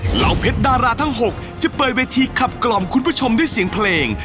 เหล่าเพชรดาราทั้ง๖จะเปิดเวทีขับกล่อมคุณผู้ชมด้วยเสียงเพลง